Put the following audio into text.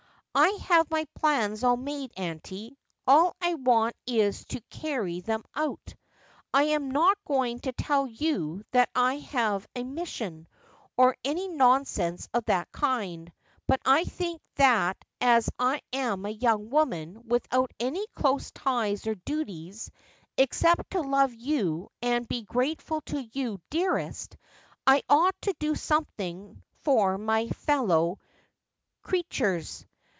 ' 'I have my plans all made, auntie ; all I want is to carry them out. I am not going to tell you that I have a mission, or any nonsense of that kind ; but I think that as I am a young woman without any close ties or duties, except to love you and be grateful to you, dearest, I ought to do something for my fellow creatures.